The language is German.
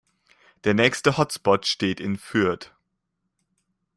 Der nächste Hotspot steht in Fürth.